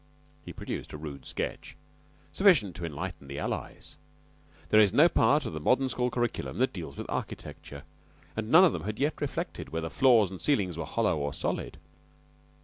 He produced a rude sketch, sufficient to enlighten the allies. There is no part of the modern school curriculum that deals with architecture, and none of them had yet reflected whether floors and ceilings were hollow or solid.